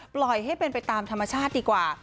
ปล่อยให้เป็นไปตามธรรมชาติดีกว่า